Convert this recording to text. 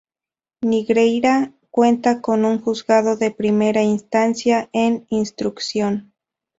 Negreira cuenta con un Juzgado de Primera Instancia e Instrucción.